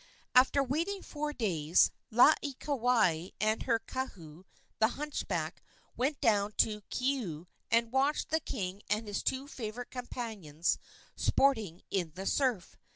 After waiting four days Laieikawai and her kahu, the hunchback, went down to Keaau, and watched the king and his two favorite companions sporting in the surf.